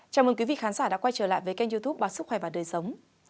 chào mừng quý vị khán giả đã quay trở lại với kênh youtube bác sức khỏe và đời sống